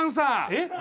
えっ？